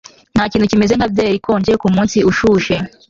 Ntakintu kimeze nka byeri ikonje kumunsi ushushe